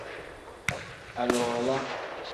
Aliwala.